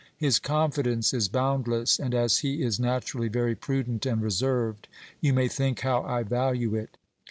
His confidence is boundless, and as he is naturally very prudent and reserved, you may think how I value it.